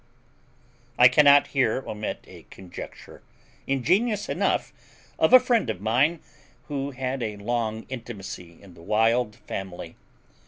I cannot here omit a conjecture, ingenious enough, of a friend of mine, who had a long intimacy in the Wild family.